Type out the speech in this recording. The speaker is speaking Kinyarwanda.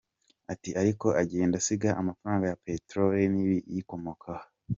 Ati : “Ariko agende asige amafaranga ya Peteroli n’ibiyikomokaho ?